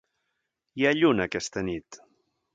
Hi ha lluna aquesta nit.